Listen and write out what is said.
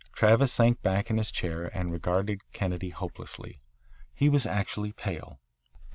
Travis sank back in his chair and regarded Kennedy hopelessly. He was actually pale.